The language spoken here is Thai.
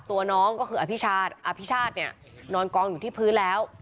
ตัวน้องก็คืออภิชาติอภิชาติเนี่ยนอนกองอยู่ที่พื้นแล้ว